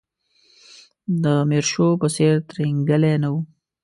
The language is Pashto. د میرشو په څېر ترینګلی نه و.